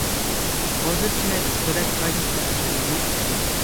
Vorsitzender des Förderkreises der Akademie aktiv.